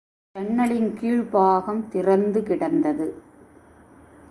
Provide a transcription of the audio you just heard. ஜன்னலின் கீழ்ப்பாகம் திறந்து கிடந்தது.